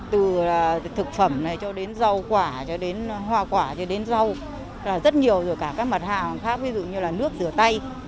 từ thực phẩm này cho đến rau quả cho đến hoa quả cho đến rau là rất nhiều rồi cả các mặt hàng khác ví dụ như là nước rửa tay